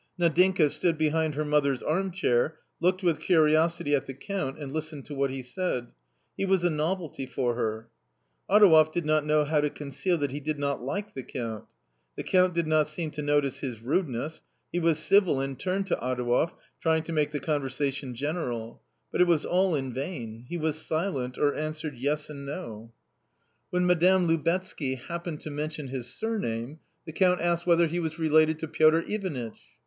Nadinka stood behind her mother's armchair, looked with curiosity at the Count and listened to what he said ; he was a novelty for her. Adouev did not know how to conceal, that he did not like the Count. The Count did not seem to notice his rude ness ; he was civil and turned to Adouev, trying to make the conversation general But it was all in vain ; he was silent, or answered yes and no. 104 ^ COMMON STORY When Madame Lubetzky happened to mention his sur name, the Count asked whether he was related to Piotr Ivanitch.